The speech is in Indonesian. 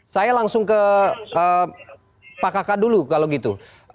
saya langsung ke pak kakak dulu kalau gitu